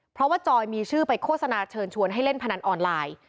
เพราะว่าจอยมีชื่อไปโฆษณาเชิญชวนให้เล่นพนันออนไลน์